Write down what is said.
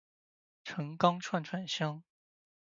陈钢串串香